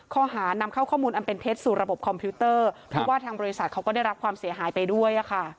ข้อหานำเข้าข้อมูลอันเป็นเท็จสู่ระบบคอมพิวเตอร์เพราะว่าทางบริษัทเขาก็ได้รับความเสียหายไปด้วย